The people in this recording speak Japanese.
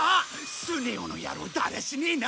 スネ夫の野郎だらしねえな！